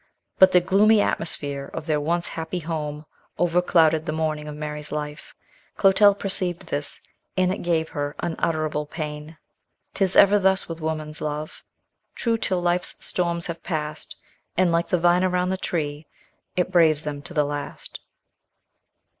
But the gloomy atmosphere of their once happy home overclouded the morning of Mary's life. Clotel perceived this, and it gave her unutterable pain. "Tis ever thus with woman's love, True till life's storms have passed; And, like the vine around the tree, It braves them to the last."